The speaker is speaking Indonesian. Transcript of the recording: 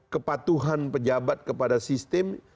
kepatuhan pejabat kepada sistem